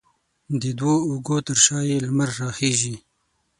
د دوو اوږو تر شا یې لمر راخیژي